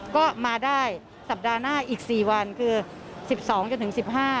ก็มาได้สัปดาห์หน้าอีก๔วันคือ๑๒จนถึง๑๕